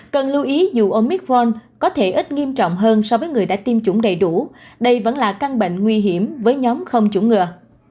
cần lưu ý dù omicron có thể ít nghiêm trọng hơn so với người đã tiêm chủng đầy đủ đây vẫn là căn bệnh nguy hiểm với nhóm không chủng ngừa